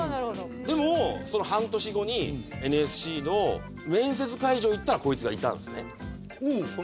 でもその半年後にＮＳＣの面接会場行ったらこいつがいたんですね